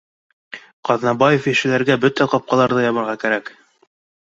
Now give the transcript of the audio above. — Ҡаҙнабаев ишеләргә бөтә ҡапҡаларҙы ябырға кәрәк